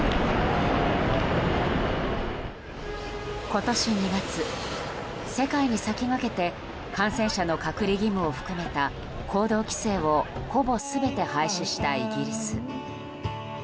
今年２月、世界に先駆けて感染者の隔離義務を含めた行動規制をほぼ全て廃止したイギリス。